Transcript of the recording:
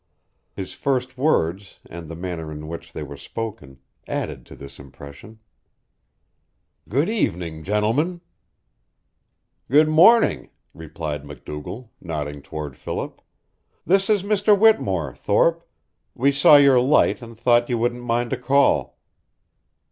His first words, and the manner in which they were spoken, added to this impression. "Good evening, gentlemen." "Good morning," replied MacDougall, nodding toward Philip. "This is Mr. Whittemore, Thorpe. We saw your light, and thought you wouldn't mind a call."